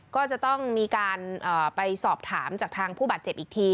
ก็จะต้องมีการไปสอบถามจากทางผู้บาดเจ็บอีกที